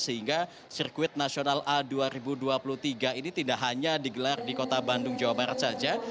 sehingga sirkuit nasional a dua ribu dua puluh tiga ini tidak hanya digelar di kota bandung jawa barat saja